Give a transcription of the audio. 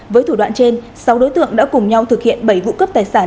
với thủ đoạn trên sáu đối tượng đã cùng nhau thực hiện bảy vụ cướp tài sản